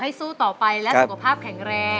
ไปสู้ต่อไปและเชี่ยวภาพแข็งแรง